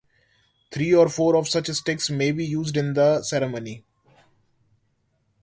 Three or four of such sticks may be used in the ceremony.